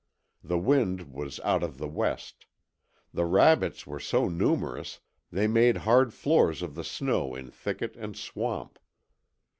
The wind was out of the west. The rabbits were so numerous they made hard floors of the snow in thicket and swamp.